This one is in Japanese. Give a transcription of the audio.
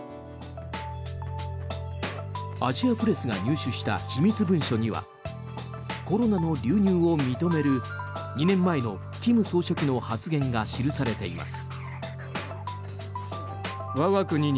アジアプレスが入手した秘密文書にはコロナの流入を認める２年前の金総書記の発言が記されています。